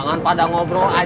jangan pada ngobrol aja